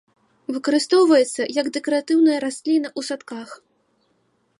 Выкарыстоўваецца як дэкаратыўная расліна ў садках.